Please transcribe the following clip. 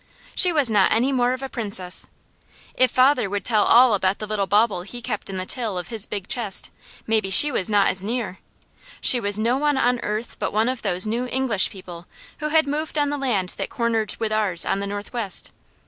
She was not any more of a Princess. If father ever would tell all about the little bauble he kept in the till of his big chest, maybe she was not as near! She was no one on earth but one of those new English people who had moved on the land that cornered with ours on the northwest.